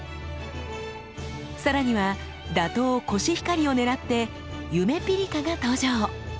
更には打倒コシヒカリをねらって「ゆめぴりか」が登場。